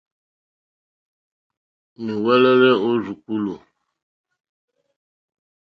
Nùwɛ́lɛ́lɛ́ ó rzùkúlù.